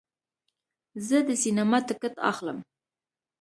زه د سینما ټکټ اخلم.